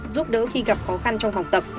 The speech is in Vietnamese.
giúp đỡ khi gặp khó khăn trong học tập